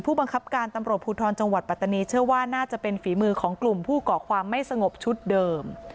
บังคับการตำรวจภูทรจังหวัดปัตตานีเชื่อว่าน่าจะเป็นฝีมือของกลุ่มผู้ก่อความไม่สงบชุดเดิม